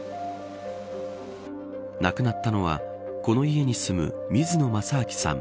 亡くなったのはこの家に住む水野真彰さん